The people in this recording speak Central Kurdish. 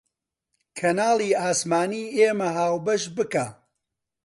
کەناڵی ئاسمانی ئێمە هاوبەش بکە